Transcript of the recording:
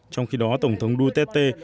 trong khi đó tổng thống duterte